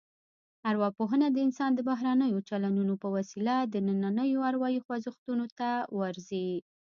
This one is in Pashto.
ارواپوهنه د انسان د بهرنیو چلنونو په وسیله دنننیو اروايي خوځښتونو ته ورځي